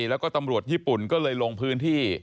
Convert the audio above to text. แล้วก็ตำรวจญี่ปุ่นก็เลยลงพื้นที่